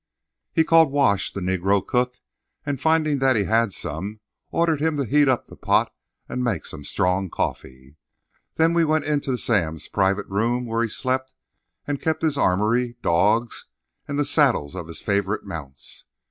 He called Wash, the Negro cook, and finding that he had some, ordered him to heat up the pot and make some strong coffee. Then we went into Sam's private room, where he slept, and kept his armoury, dogs, and the saddles of his favourite mounts.